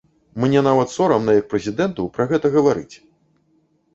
Мне нават сорамна як прэзідэнту пра гэта гаварыць.